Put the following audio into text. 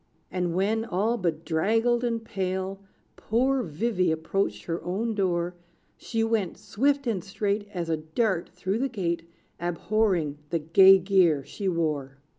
And when, all bedraggled and pale, Poor Vivy approached her own door, She went, swift and straight As a dart, through the gate, Abhorring the gay gear she wore.